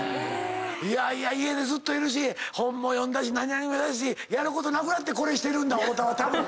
いやいや家でずっといるし本も読んだし何々もやったしやることなくなってこれしてるんだ太田はたぶん。